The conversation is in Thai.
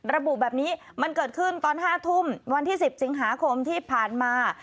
ระบุแบบนี้มันเกิดขึ้นตอน๕ทุ่มวันที่๑๐สิงหาคมที่ผ่านมา